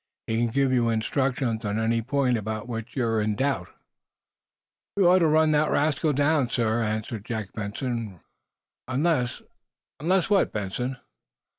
He can give you instructions on any point about which you're in doubt." "We ought to run that rascal down, sir," answered Jack Benson, rising. "Unless " "Unless what, Benson?"